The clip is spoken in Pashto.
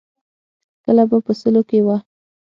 کله به په سلو کې وه.